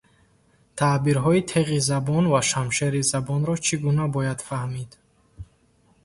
Таъбирҳои теғи забон ва шамшери забонро чӣ гуна бояд фаҳмид?